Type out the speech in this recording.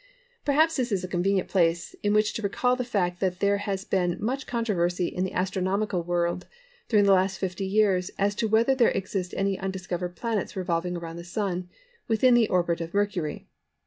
Perhaps this is a convenient place in which to recall the fact that there has been much controversy in the astronomical world during the last 50 years as to whether there exist any undiscovered planets revolving round the Sun within the orbit of Mercury.